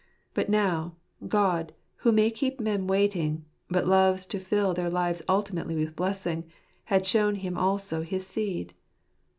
But now, God, who may keep men waiting, but loves to fill their lives ultimately with blessing, had shown him also his seed.